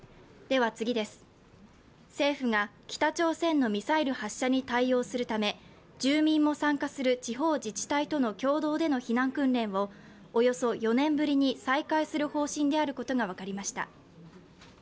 政府が北朝鮮のミサイル発射に対応するため住民も参加する地方自治体との共同での避難訓練をおよそ４年ぶりに再会する方針であることが分かりました。